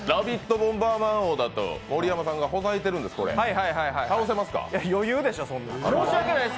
ボンバーマン王」だと盛山さんがほざいているんです。